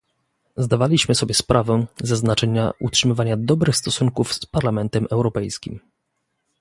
Zdawaliśmy sobie sprawę ze znaczenia utrzymywania dobrych stosunków z Parlamentem Europejskim